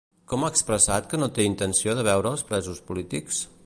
Com ha expressat que no té intenció de veure als presos polítics?